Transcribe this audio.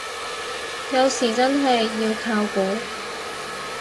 有時真係要靠估